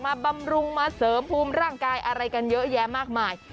บำรุงมาเสริมภูมิร่างกายอะไรกันเยอะแยะมากมาย